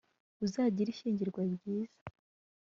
uzagire ishyingiranwa ryiza